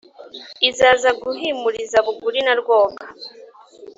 izaza guhimuriza buguri na rwoga